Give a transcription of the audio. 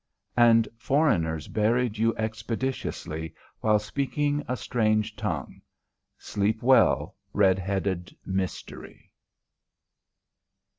And foreigners buried you expeditiously while speaking a strange tongue. Sleep well, red headed mystery.